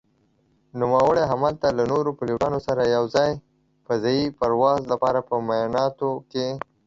نوموړي هملته له نورو پيلوټانو سره يو ځاى فضايي پرواز لپاره په معايناتو کې